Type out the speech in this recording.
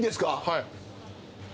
はい。